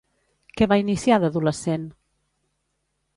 Què va iniciar d'adolescent?